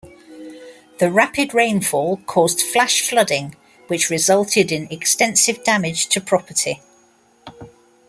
The rapid rain fall caused flash flooding, which resulted in extensive damage to property.